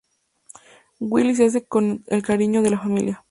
Wily se hace con el cariño de la familia.